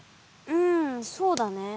うんそうだね。